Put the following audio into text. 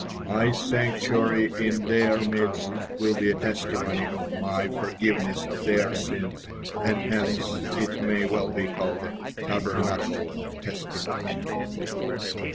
My sanctuary in their midst will be a testimony of My forgiveness of their sins, and hence it may well be called a 'Tabernacle of Testimony.'"